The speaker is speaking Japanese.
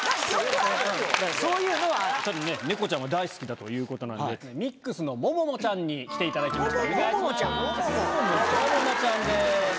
猫ちゃんが大好きだということなんで、ミックスのもももちゃんに来ていただきました。